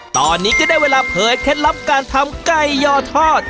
ตอนนี้ก็ได้เวลาเผยเคล็ดลับการทำไก่ยอทอด